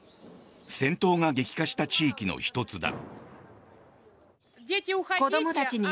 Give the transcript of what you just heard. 戦闘が激化した地域の１つだ。